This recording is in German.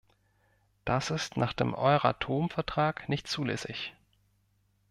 Das ist nach dem Euratom-Vertrag nicht zulässig.